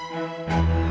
aku mau jalan